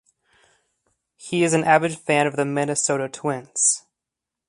He is an avid fan of the Minnesota Twins.